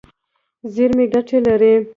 زیرمې ګټه لري.